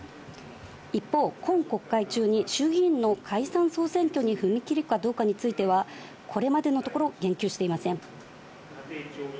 一方、今国会中に衆議院の解散・総選挙に踏み切るかどうかについては、これまでのところ言及していません。